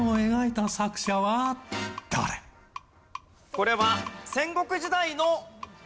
これは。